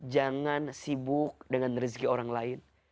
jangan sibuk dengan rezeki orang lain